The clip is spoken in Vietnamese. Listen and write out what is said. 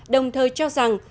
đồng thời cho rằng